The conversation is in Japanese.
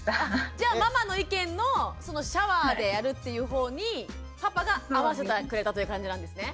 じゃあママの意見のシャワーでやるっていうほうにパパが合わせてくれたという感じなんですね？